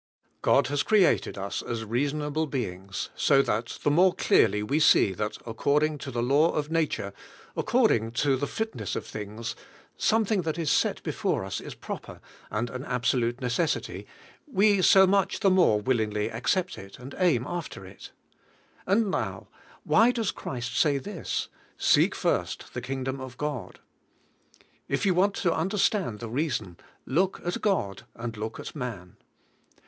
God has created us as reasonable beings, so that the more clearly we see that according to the law of 61 62 THE KINGDOM FIRST nature, according to the fitness of things, some thing that is set before us is proper, and an abso lute necessit3^ we so much the more willingly ac cept it, and aim after it. And now, wh\^ does Christ say this: "Seek first the Kingdom of God?" If you want to understand the reason, look at God, and look at man.